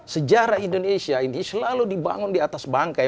sejarah indonesia ini selalu dibangun di atas bangkai